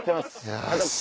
よし。